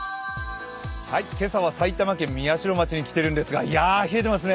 今朝は埼玉県宮代町に来ているんですが冷えていますね。